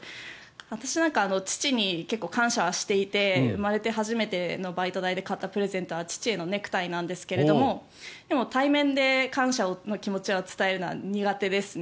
私なんかは父に結構感謝はしていて生まれて初めてのバイト代で買ったプレゼントは父へのネクタイなんですけれどもでも、対面で感謝の気持ちを伝えるのは苦手ですね。